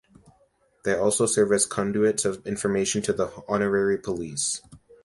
They also serve as conduits of information to the Honorary Police.